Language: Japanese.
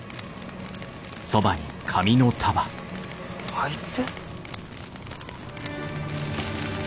あいつ。